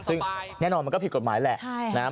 ซึ่งแน่นอนมันก็ผิดกฎหมายแหละ